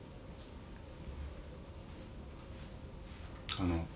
あの。